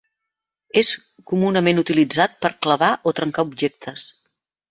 És comunament utilitzat per clavar o trencar objectes.